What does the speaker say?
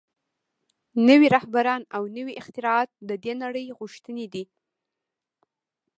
نوي رهبران او نوي اختراعات د دې نړۍ غوښتنې دي